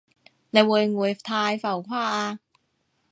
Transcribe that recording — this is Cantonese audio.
你會唔會太浮誇啊？